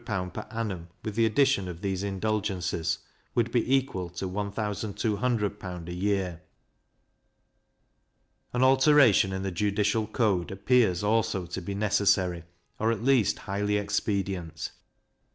per annum, with the addition of these indulgencies, would be equal to 1200L. a year. An alteration in the judicial code appears also to be necessary, or at least highly expedient.